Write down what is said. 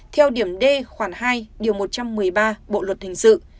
theo điểm d khoản hai điều một trăm một mươi ba bộ luật hình sự